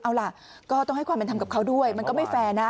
เอาล่ะก็ต้องให้ความเป็นธรรมกับเขาด้วยมันก็ไม่แฟร์นะ